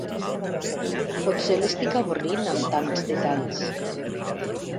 Potser l'estic avorrint, amb tants detalls.